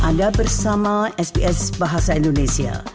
anda bersama sps bahasa indonesia